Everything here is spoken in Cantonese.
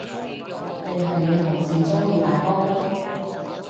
定係你同事鍾意大波妹？